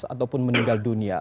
ataupun meninggal dunia